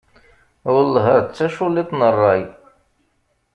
Wellah ar d taculliḍt n ṛṛay!